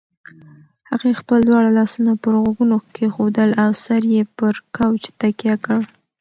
هغې خپل دواړه لاسونه پر غوږونو کېښودل او سر یې پر کوچ تکیه کړ.